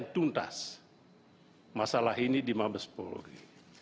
tuntas masalah ini di mabes polri